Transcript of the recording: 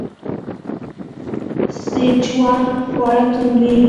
سیچوان خواړه توند دي.